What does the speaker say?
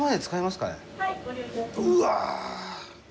うわ！